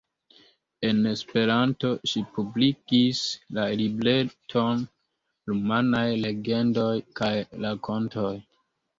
En Esperanto, ŝi publikigis la libreton "Rumanaj legendoj kaj rakontoj".